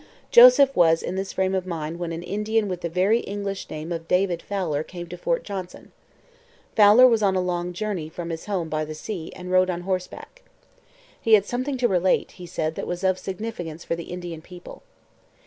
Joseph was in this frame of mind when an Indian with the very English name of David Fowler came to Fort Johnson. Fowler was on a long journey from his home by the sea and rode on horseback. He had something to relate, he said, that was of significance for the Indian people.